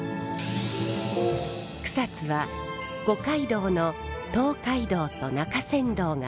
草津は五街道の東海道と中山道が交わる宿場町。